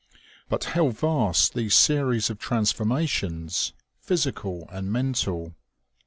But how vast these series of transformations physical and mental